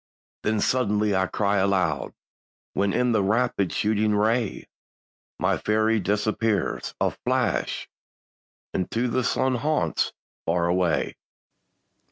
Then suddenly I cry aloud, When in a rapid shooting ray, My fairy disappears, a flash, Into the sun haunts far away.